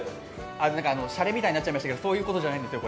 あっ、なんかシャレみたいになっちゃいましたけど、そういうことじゃないです。